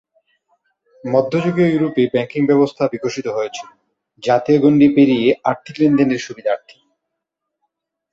মধ্যযুগীয় ইউরোপে ব্যাংকিং ব্যবস্থা বিকশিত হয়েছিল, জাতীয় গণ্ডি পেরিয়ে আর্থিক লেনদেনের সুবিধার্থে।